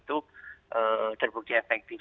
itu tidak akan terbukti efektif